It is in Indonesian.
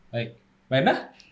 baik mbak endah